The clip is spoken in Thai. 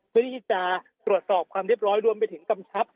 เพื่อที่จะตรวจสอบความเรียบร้อยรวมไปถึงกำชับ